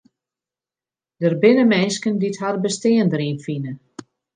Der binne minsken dy't har bestean deryn fine.